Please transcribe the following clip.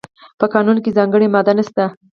په قانون کې ځانګړې ماده نشته.